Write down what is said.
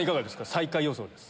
最下位予想です。